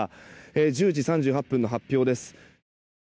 １０時３８分の発表です。